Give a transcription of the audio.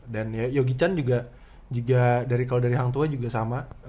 dan ya yogi chan juga kalau dari hantuah juga sama